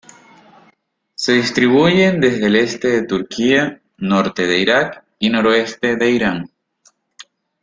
Se distribuyen desde el este de Turquía, norte de Irak y noroeste de Irán.